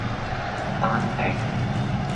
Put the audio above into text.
單拼